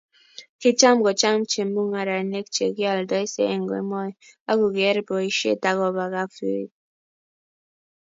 kicham kochang' chemung'arenik che kioldoisie eng' kemou ,aku kiker boisiet akobo kafyuit